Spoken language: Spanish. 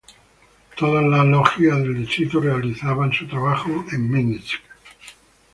Todas las logias del distrito realizan su trabajo, en Minsk.